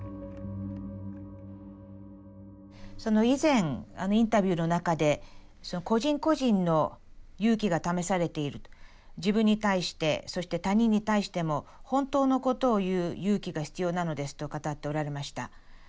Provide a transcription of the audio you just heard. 以前インタビューの中で個人個人の勇気が試されている自分に対してそして他人に対しても本当のことを言う勇気が必要なのですと語っておられました。